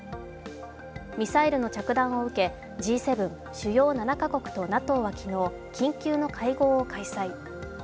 ミサイルの着弾を受けＧ７＝主要７か国とＮＡＴＯは昨日緊急の会合を開催。